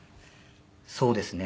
そうですね。